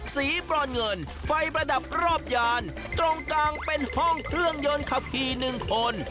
บรอนเงินไฟประดับรอบยานตรงกลางเป็นห้องเครื่องยนต์ขับขี่หนึ่งคน